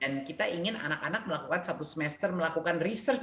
dan kita ingin anak anak melakukan satu semester melakukan research